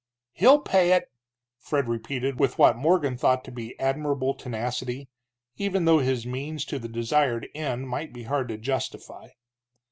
"He'll pay it!" Fred repeated, with what Morgan thought to be admirable tenacity, even though his means to the desired end might be hard to justify.